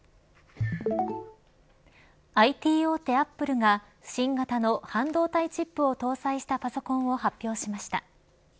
ＩＴ大手アップルが、新型の半導体チップを搭載したパソコンを発表しました。